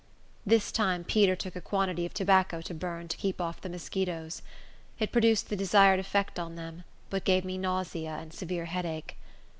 This time Peter took a quantity of tobacco to burn, to keep off the mosquitos. It produced the desired effect on them, but gave me nausea and severe headache.